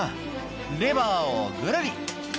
レバーをぐるり。